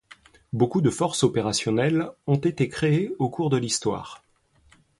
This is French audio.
Beaucoup de forces opérationnelles ont été créées au cours de l'histoire.